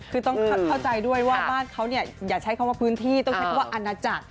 คือต้องเข้าใจด้วยว่าบ้านเขาเนี่ยอย่าใช้คำว่าพื้นที่ต้องใช้คำว่าอาณาจักร